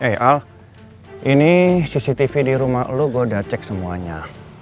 eh al ini cctv di rumah lo gue udah cek semuanya